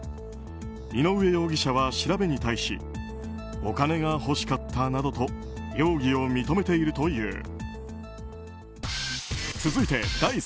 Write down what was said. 井上容疑者は調べに対しお金が欲しかったなどと容疑を認めているという。